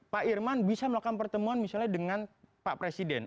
pak irman bisa melakukan pertemuan misalnya dengan pak presiden